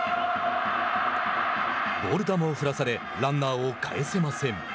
ボール球を振らされランナーを帰せません。